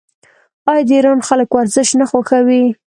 آیا د ایران خلک ورزش نه خوښوي؟